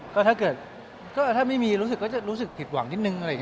ก็ถ้าไม่มีรู้สึกก็จะรู้สึกผิดหวังนิดนึง